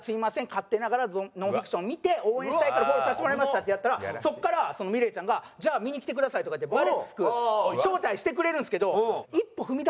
勝手ながら『ノンフィクション』を見て応援したいからフォローさせてもらいました」ってやったらそこからみれいちゃんが「じゃあ見に来てください」とかってバーレスク招待してくれるんですけど。